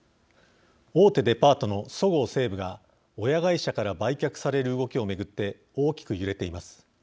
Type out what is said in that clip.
大手デパートのそごう・西武が親会社から売却される動きを巡って大きく揺れています。